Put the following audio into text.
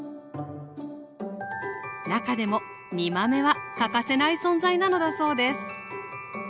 中でも煮豆は欠かせない存在なのだそうです